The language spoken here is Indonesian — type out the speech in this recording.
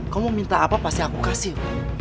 kamu mau minta apa pasti aku kasih